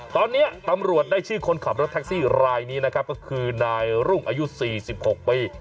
ตอนนี้ตำรวจได้ชื่อคนขับรถแท็กซี่รายนี้นะครับก็คือนายรุ่งอายุ๔๖ปี